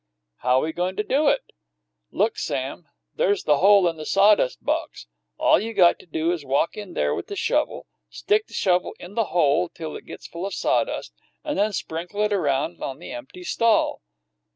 "How we goin' to do it?" "Look, Sam; there's the hole into the sawdust box! All you got to do is walk in there with the shovel, stick the shovel in the hole till it gets full of sawdust, and then sprinkle it around on the empty stall."